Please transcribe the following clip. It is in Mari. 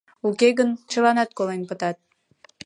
Уке гын, чыланат колен пытат.